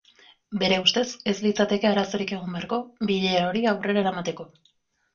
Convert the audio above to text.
Bere ustez, ez litzateke arazorik egon beharko bilera hori aurrera eramateko.